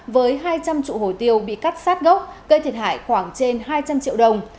với hai trăm linh trụ hồ tiêu bị cắt sát gốc gây thiệt hại khoảng trên hai trăm linh triệu đồng